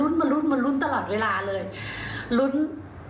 รุ้นจริงคือรุ้นรางวัลที่หนึ่งอยากถูกรางวัลที่หนึ่งสักครั้ง